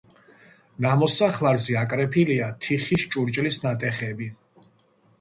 ნამოსახლარზე აკრეფილია თიხის ჭურჭლის ნატეხები.